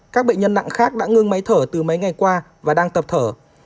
các bệnh nhân nặng khác đã ngưng máy thở từ mấy ngày qua và đang tập thở